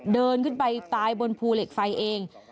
เดินขึ้นไปตายบนภูเหล็กไฟเอง